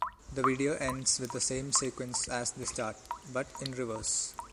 The video ends with the same sequence as the start, but in reverse.